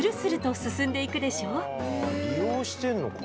利用してんのか。